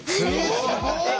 すごい！